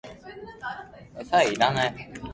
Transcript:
世の中を知らないつまらぬ卑小な者という意味の例え。